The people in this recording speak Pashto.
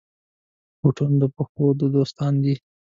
بوټونه د پښو دوستان دي.